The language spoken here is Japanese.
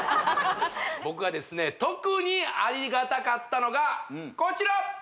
僕がですね特にありがたかったのがこちら！